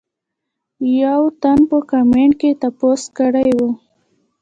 يو تن پۀ کمنټ کښې تپوس کړے وۀ